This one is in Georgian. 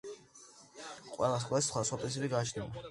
ყველა სკოლას სხვადასხვა პრინციპები გააჩნია